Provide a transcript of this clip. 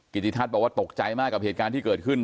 กิจาทบอกว่าตกใจมากกว่าเหตุการณ์ที่เกิดขึ้น